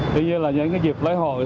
tuy nhiên là những dịp lấy hội